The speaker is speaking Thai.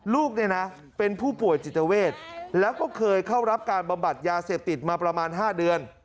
ลูกเนี่ยนะเป็นผู้ป่วยจิตเวทแล้วก็เคยเข้ารับการบำบัดยาเสพติดมาประมาณ๕เดือน